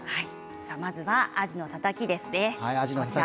まずはアジのたたきですね。